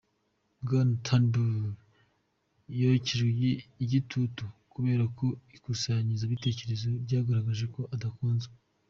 Bwana Turnbull yocyejwe igitutu kubera ko ikusanyabitekerezo ryagaragaje ko adakunzwe.